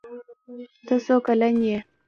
ته څو کلن یې؟